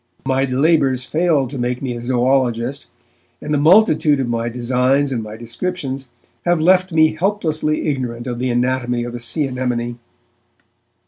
My labours failed to make me a zoologist, and the multitude of my designs and my descriptions have left me helplessly ignorant of the anatomy of a sea anemone.